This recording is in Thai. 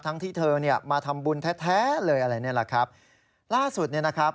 ที่เธอเนี่ยมาทำบุญแท้แท้เลยอะไรเนี่ยแหละครับล่าสุดเนี่ยนะครับ